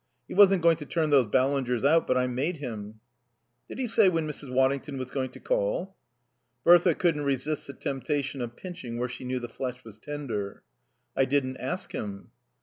He wasn't going to turn those Ballingers out, but I made him." "Did he say when Mrs. Waddington was going to call?" Bertha couldn't resist the temptation of pinching where she knew the flesh was tender. "I didn't ask him."